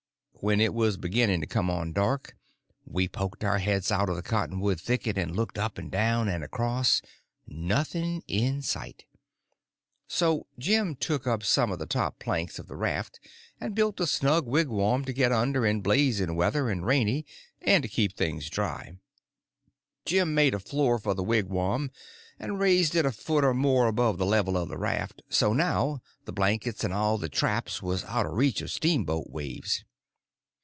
When it was beginning to come on dark we poked our heads out of the cottonwood thicket, and looked up and down and across; nothing in sight; so Jim took up some of the top planks of the raft and built a snug wigwam to get under in blazing weather and rainy, and to keep the things dry. Jim made a floor for the wigwam, and raised it a foot or more above the level of the raft, so now the blankets and all the traps was out of reach of steamboat waves.